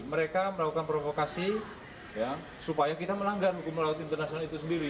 mereka melakukan provokasi supaya kita melanggar hukum melalui laut internasional itu sendiri